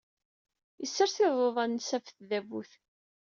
Yessers iḍudan-nnes ɣef tdabut.